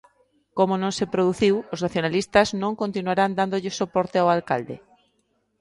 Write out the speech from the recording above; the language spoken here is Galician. "Como non se produciu" os nacionalistas non continuarán dándolle soporte ao alcalde.